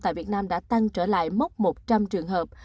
tại việt nam đã tăng trở lại mốc một trăm linh trường hợp